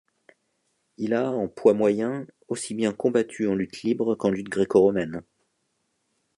Il a, en poids moyens, aussi bien combattu en lutte libre qu'en lutte gréco-romaine.